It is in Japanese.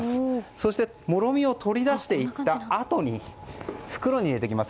そしてもろみを取り出したあとに袋に入れていきます。